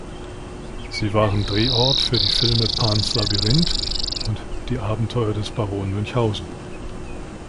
Sie waren Drehort für die Filme Pans Labyrinth und Die Abenteuer des Baron Münchhausen.